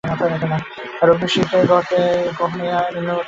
আর অগ্নিশিখার গতি ঊর্ধ্বে, কখনও ইহা নিম্নমুখী হয় না।